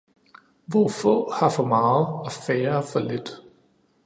Hvor få har for meget og færre for lidt.